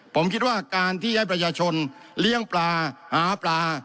ผมคิดว่าการที่ให้ประชาชนเลี้ยงปลาหาปลา